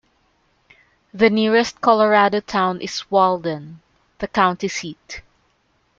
The nearest Colorado town is Walden, the county seat.